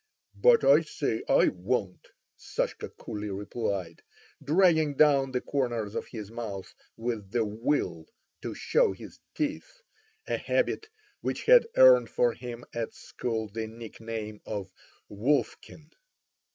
"But I say I won't!" Sashka coolly replied, dragging down the corners of his mouth with the will to show his teeth—a habit which had earned for him at school the nickname of Wolfkin.